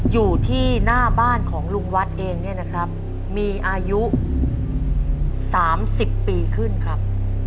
อยู่ที่หน้าบ้านของลุงวัดเองเนี่ยนะครับมีอายุ๓๐ปีขึ้นครับ